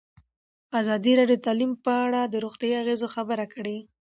ازادي راډیو د تعلیم په اړه د روغتیایي اغېزو خبره کړې.